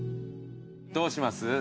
どうします？